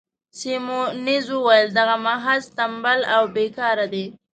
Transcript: سیمونز وویل: دی محض ټمبل او بې کاره دی.